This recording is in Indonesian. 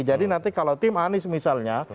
jadi nanti kalau tim anis misalnya